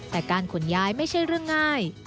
แต่การขนย้ายไม่ใช่เรื่องง่าย